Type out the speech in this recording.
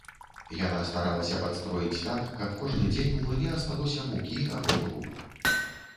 Яна старалася падстроіць так, каб кожны дзень у млыне асталося мукі або круп.